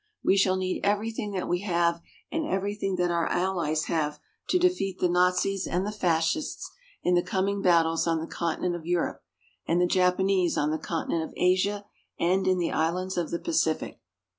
We shall need everything that we have and everything that our Allies have to defeat the Nazis and the Fascists in the coming battles on the continent of Europe, and the Japanese on the continent of Asia and in the islands of the Pacific.